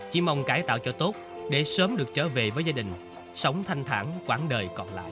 chỉ mong cải tạo cho tốt để sớm được trở về với gia đình sống thanh thản quãng đời còn lại